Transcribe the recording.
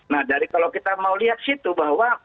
nah dari kalau kita mau lihat situ bahwa